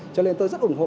cho nên tôi rất ủng hộ